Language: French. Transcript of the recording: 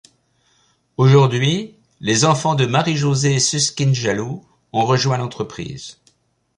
Aujourd'hui, les enfants de Marie-José Susskind-Jalou ont rejoint l'entreprise.